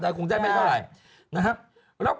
แต่คงได้ไหมเท่าไร